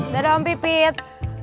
dadah om pipit